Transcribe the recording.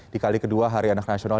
di kali kedua hari anak nasional